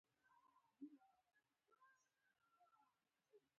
احتمالي ماضي د شاید او امکان ښکارندوی ده.